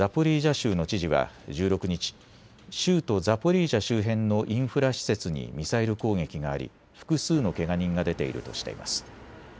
州の知事は１６日、州都ザポリージャ周辺のインフラ施設にミサイル攻撃があり複数のけが人が出ているとしています。